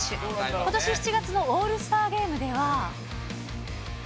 ことし７月のオールスターゲームでは。